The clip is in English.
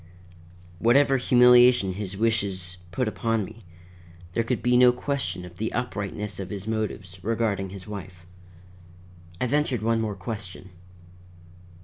Whatever humiliation his wishes put upon me, there could be no question of the uprightness of his motives regarding his wife. I ventured one more question.